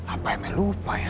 apa emel lupa ya